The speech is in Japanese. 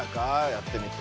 やってみて。